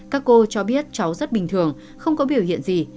các cô cho biết cháu rất bình thường không có biểu hiện gì